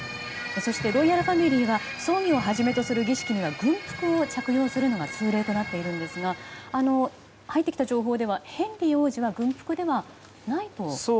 そしてロイヤルファミリーは葬儀をはじめとする儀式には軍服を着用するのが通例となっているんですが入ってきた情報ではヘンリー王子は軍服ではないと。